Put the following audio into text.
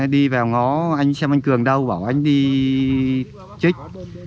đi vào ngõ anh xem anh cường đâu bảo anh đi trích